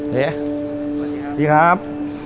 สวัสดีครับ